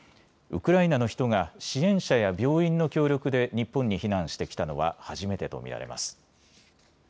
ウクライナの人が支援者や病院の協力で日本に避難してきたのは初めてと見られます。